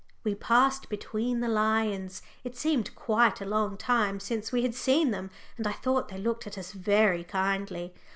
We passed between the lions. It seemed quite a long time since we had seen them, and I thought they looked at us very kindly.